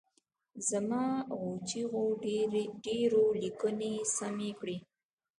زما غو چیغو ډېرو لیکني سمې کړي.